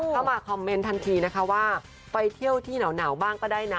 เข้ามาคอมเมนต์ทันทีนะคะว่าไปเที่ยวที่หนาวบ้างก็ได้นะ